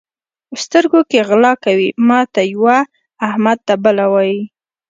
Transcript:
سترګو کې غلا کوي؛ ماته یوه، احمد ته بله وایي.